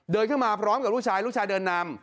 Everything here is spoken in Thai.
เดินเข้ามาพร้อมกับลูกชายลูกชายเดินนำ